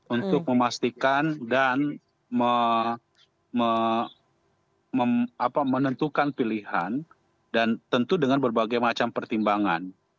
untuk memastikan dan menentukan pilihan dan tentu dengan berbagai macam pertimbangan